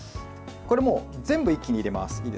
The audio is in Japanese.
これは全部一気に入れます。